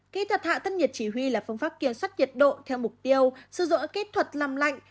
kỹ thuật hạ thân nhiệt chỉ huy là phương pháp kiểm soát nhiệt độ theo mục tiêu rỗ kỹ thuật làm lạnh